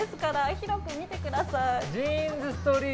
広く見てください。